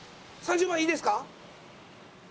３０万いいですか？